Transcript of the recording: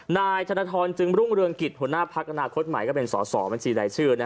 นายธนทรจึงรุ่งเรืองกิจหัวหน้าพักอนาคตใหม่ก็เป็นสอสอบัญชีรายชื่อ